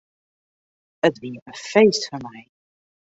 It wie in feest foar my.